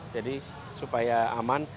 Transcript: jadi supaya aman